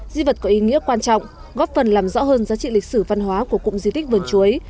di vật có ý nghĩa quan trọng góp phần làm rõ hơn giá trị lịch sử văn hóa của cụm di tích vườn chuối